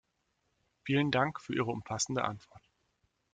Vielen Dank für Ihre umfassende Antwort!